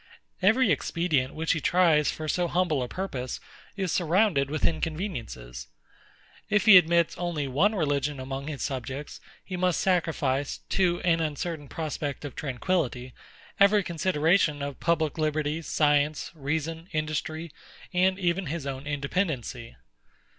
Every expedient which he tries for so humble a purpose is surrounded with inconveniences. If he admits only one religion among his subjects, he must sacrifice, to an uncertain prospect of tranquillity, every consideration of public liberty, science, reason, industry, and even his own independency.